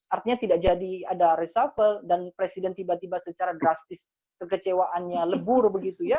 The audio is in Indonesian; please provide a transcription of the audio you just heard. artinya tidak jadi ada reshuffle dan presiden tiba tiba secara drastis kekecewaannya lebur begitu ya